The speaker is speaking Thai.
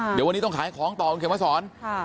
เดี๋ยววันนี้ต้องขายของต่อบนเขมสร